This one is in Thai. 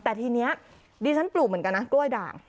แต่ทีนี้ดิฉันปลูกเหมือนกันนะกล้วยด่าง